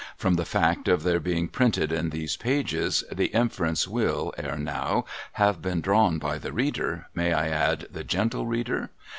From the fact of their being printed in these pages, the inference will, ere now, have been drawn by the reader (may I add, the gentle reader